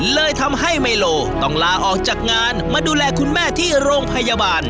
เลยทำให้ไมโลต้องลาออกจากงานมาดูแลคุณแม่ที่โรงพยาบาล